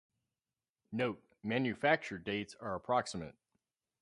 Note: Manufacture dates are approximate.